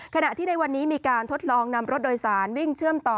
ขณะที่ในวันนี้มีการทดลองนำรถโดยสารวิ่งเชื่อมต่อ